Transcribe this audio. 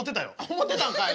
思ってたんかい。